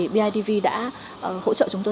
bidv đã hỗ trợ chúng tôi